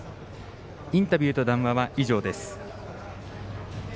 インタビューと談話は以上です。